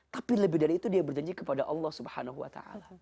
tapi lebih dari itu dia berjanji kepada allah swt